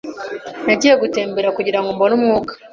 Nagiye gutembera kugirango mbone umwuka.